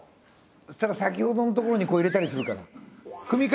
そしたら先ほどのところにこう入れたりするから。